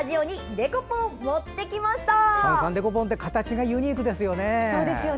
デコポンって形がユニークですよね。